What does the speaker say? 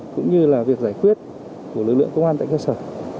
cũng như là việc giải quyết của lực lượng công an tại cơ sở